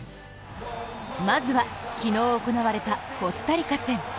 まずは、昨日行われたコスタリカ戦。